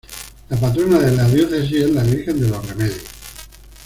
La patrona de la diócesis es la Virgen de Los Remedios.